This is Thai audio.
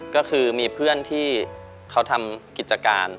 ก็คือมีเพื่อนที่เขาทำกิจการ